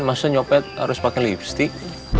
maksudnya nyopet harus pakai lipstick